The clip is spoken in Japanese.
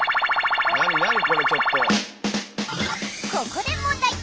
ここで問題！